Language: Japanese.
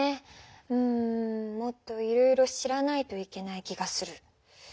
うんもっといろいろ知らないといけない気がする。